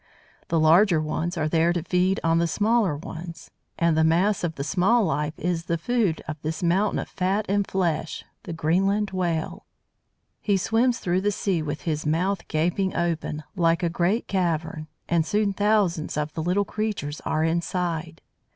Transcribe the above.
The larger ones are there to feed on the smaller ones. And that mass of small life is the food of this mountain of fat and flesh, the Greenland Whale. He swims through the sea with his mouth gaping open, like a great cavern, and soon thousands of the little creatures are inside.